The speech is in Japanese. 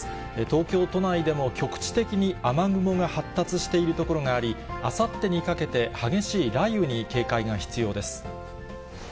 東京都内でも局地的に雨雲が発達している所があり、あさってにかけて、激しい雷雨に警戒が必要です。